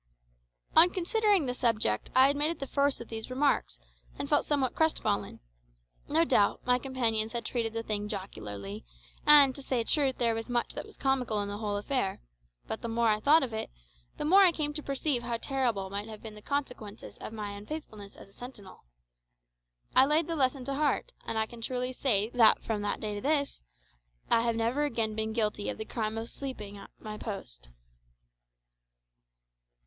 On considering the subject I admitted the force of these remarks, and felt somewhat crestfallen. No doubt, my companions had treated the thing jocularly, and, to say truth, there was much that was comical in the whole affair; but the more I thought of it, the more I came to perceive how terrible might have been the consequences of my unfaithfulness as a sentinel. I laid the lesson to heart, and I can truly say that from that day to this I have never again been guilty of the crime of sleeping at my post.